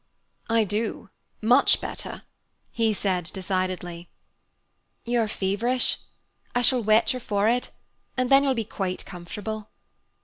"I do, much better," he said decidedly. "You are feverish. I shall wet your forehead, and then you will be quite comfortable."